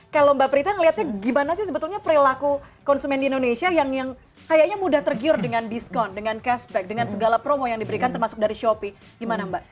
kalau mbak prita ngelihatnya gimana sih sebetulnya perilaku konsumen di indonesia yang kayaknya mudah tergiur dengan diskon dengan cashback dengan segala promo yang diberikan termasuk dari shopee gimana mbak